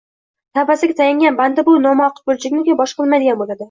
Tavbasiga tayangan banda bu noma`qulchilikni boshqa qilmaydigan bo`ladi